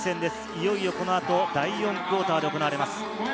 いよいよこの後、第４クオーターが行われます。